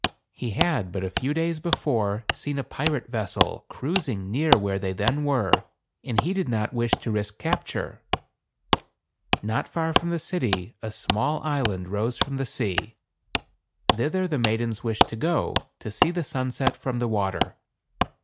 He had, but a few days before, seen a pirate vessel cruising near where they then were, and he did not wish to risk capture. Not far from the city a small island rose from the sea. Thither the maidens wished to go, to see the sunset from the water.